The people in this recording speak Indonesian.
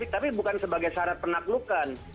tapi bukan sebagai syarat penaklukan